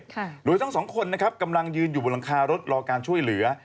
ค่ะโดยทั้งสองคนนะครับกำลังยืนอยู่บนหลังคารถรอการช่วยเหลือ